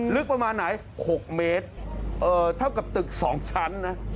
ลึกประมาณไหน๖เมตรเท่ากับตึก๒ชั้นนะ